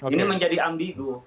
ini menjadi ambigu